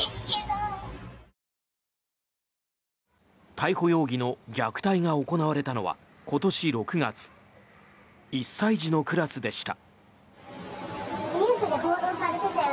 逮捕容疑の虐待が行われたのは今年６月１歳児のクラスでした。